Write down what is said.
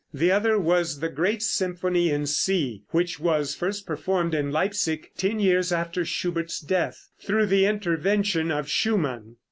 The other was the great symphony in C, which was first performed in Leipsic ten years after Schubert's death, through the intervention of Schumann.